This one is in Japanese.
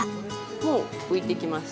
もう浮いてきました。